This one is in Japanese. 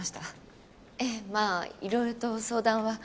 ええまあいろいろと相談は。